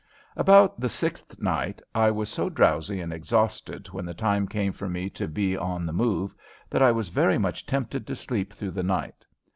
About the sixth night I was so drowsy and exhausted when the time came for me to be on the move that I was very much tempted to sleep through the night.